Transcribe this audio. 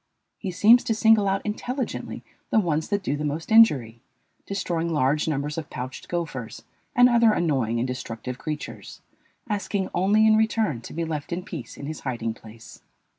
He seems to single out intelligently the ones that do the most injury, destroying large numbers of pouched gophers and other annoying and destructive creatures, asking only in return to be left in peace in his hiding place.